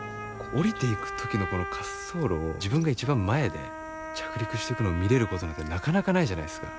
降りていく時のこの滑走路を自分が一番前で着陸してくのを見れることなんてなかなかないじゃないですか。